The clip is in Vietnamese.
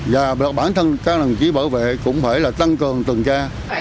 và bản thân các đồng chí bảo vệ cũng phải là tăng cường tuần tra